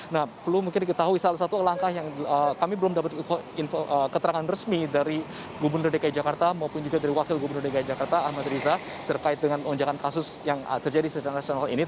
nah perlu mungkin diketahui salah satu langkah yang kami belum dapat keterangan resmi dari gubernur dki jakarta maupun juga dari wakil gubernur dki jakarta ahmad riza terkait dengan lonjakan kasus yang terjadi secara nasional ini